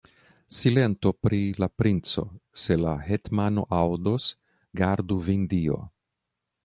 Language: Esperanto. Silentu pri la princo; se la hetmano aŭdos, gardu vin Dio!